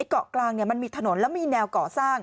เกาะกลางมันมีถนนแล้วมีแนวก่อสร้าง